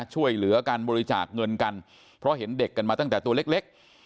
ช่วยเหลือการบริจาคเงินกันเพราะเห็นเด็กกันมาตั้งแต่ตัวเล็ก